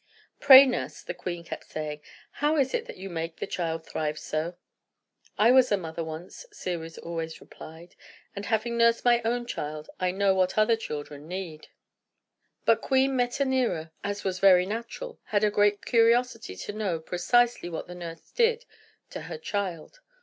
"Pray, nurse," the queen kept saying, "how is it that you make the child thrive so?" "I was a mother once," Ceres always replied; "and having nursed my own child, I know what other children need." But Queen Metanira, as was very natural, had a great curiosity to know precisely what the nurse did to her child.